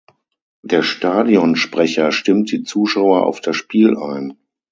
Der Stadionsprecher stimmt die Zuschauer auf das Spiel ein.